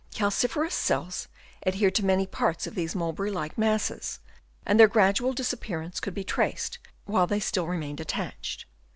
Calciferous cells adhered to many parts of these mulberry like masses, and their gradual disappearance could be traced while they still remained attached.